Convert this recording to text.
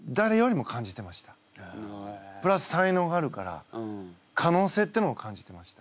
プラス才能があるから可能性ってのを感じてました。